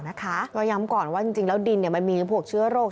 ก็ย้ำก่อนว่าจริงแล้วดินมันมีพวกเชื้อโรค